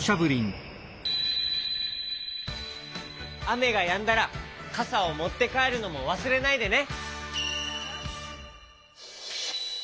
あめがやんだらかさをもってかえるのもわすれないでね。